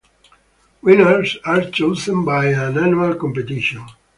Winners are chosen by an annual competition.